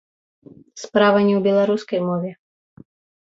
Справа не ў беларускай мове.